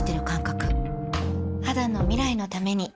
肌の未来のために